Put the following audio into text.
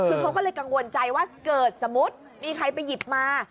คือเขาก็เลยกังวลใจว่าเกิดสมมุติมีใครไปหยิบมา